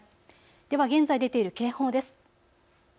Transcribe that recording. では現在出ている警報です。